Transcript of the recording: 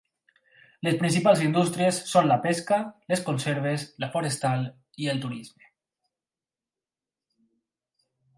Les principals indústries són la pesca, les conserves, la forestal i el turisme.